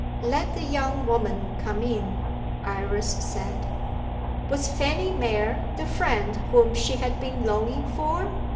"Let the young woman come in," Iris said. Was Fanny Mere the friend whom she had been longing for?